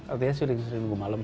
artinya sering sering buku malam